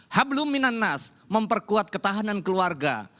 habluminan nas memperkuat ketahanan keluarga